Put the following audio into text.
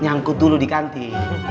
nyangkut dulu di kancing